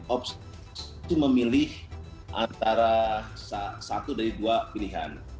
opsi itu memilih antara satu dari dua pilihan